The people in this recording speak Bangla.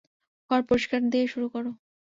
ঘর পরিষ্কার দিয়ে শুরু করো।